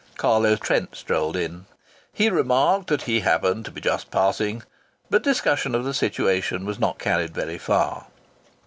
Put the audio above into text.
Carlo Trent strolled in; he remarked that he happened to be just passing. But discussion of the situation was not carried very far.